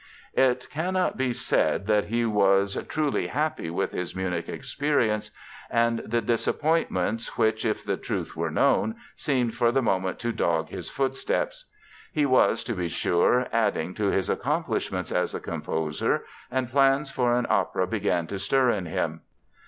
It cannot be said that he was truly happy with his Munich experiences and the disappointments which, if the truth were known, seemed for the moment to dog his footsteps. He was, to be sure, adding to his accomplishments as a composer and plans for an opera began to stir in him.